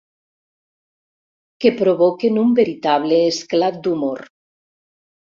Que provoquen un veritable esclat d'humor.